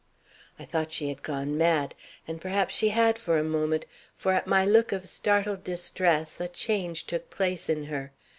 "I thought she had gone mad, and perhaps she had for a moment; for at my look of startled distress a change took place in her.